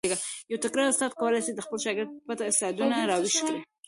یو تکړه استاد کولای سي د خپل شاګرد پټ استعدادونه را ویښ کړي.